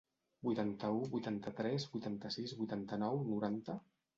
Vuitanta-u, vuitanta-tres, vuitanta-sis, vuitanta-nou, noranta...